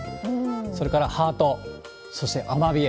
それからハート、そしてアマビエ。